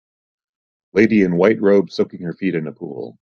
Lady in white robe soaking her feet in a pool.